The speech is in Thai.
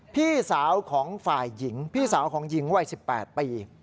พี่สาวของฝ่ายหญิงพี่สาวของหญิงวัย๑๘ปี